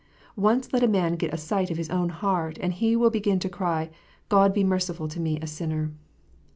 Once let a man get a sight of his own heart, and he will begin to cry, "God be merciful to me a sinner."